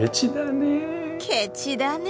ケチだね。